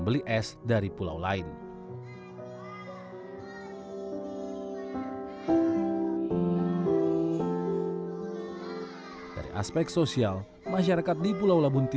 berdampak pada aspek sosial ekonomi